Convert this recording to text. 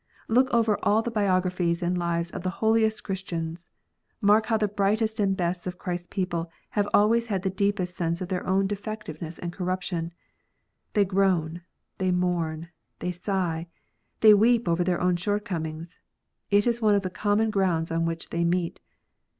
Look over all the biographies and lives of the holiest Christians ; mark how the brightest and best of Christ s people have always had the deepest sense of their own defectiveness and corruption. They groan, they mourn, they sigh, they weep over their own shortcomings : it is one of the common grounds on which they meet.